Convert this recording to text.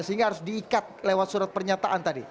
sehingga harus diikat lewat surat pernyataan tadi